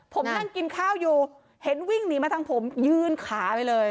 ผมนั่งกินข้าวอยู่เห็นวิ่งหนีมาทางผมยื่นขาไปเลย